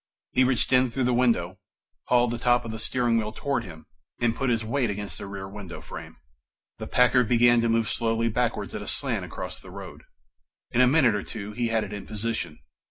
He reached in through the window, hauled the top of the steering wheel towards him and put his weight against the rear window frame. The Packard began to move slowly backwards at a slant across the road. In a minute or two he had it in position.